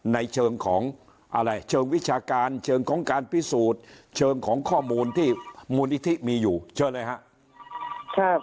ในเชิงของอะไรเชิงวิชาการเชิงของการพิสูจน์เชิงของข้อมูลที่มูลนิธิมีอยู่เชิญเลยครับ